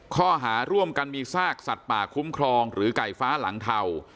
ข้อหาร่วมกันมีซากสัตว์ป่าคุ้มครองหรือไก่ฟ้าหลังเทา